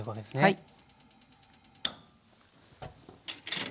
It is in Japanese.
はい。